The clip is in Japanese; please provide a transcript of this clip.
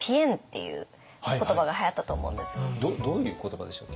どういう言葉でしたっけ？